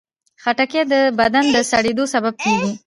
خټکی د بدن د سړېدو سبب کېږي.